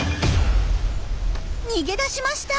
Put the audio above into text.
逃げ出しました！